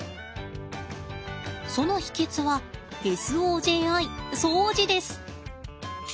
その秘けつはＳＯＪＩ掃除です！